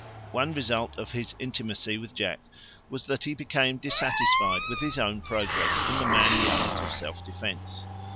One result of his intimacy with Jack was that he became dissatisfied with his own progress in the manly art of self defence.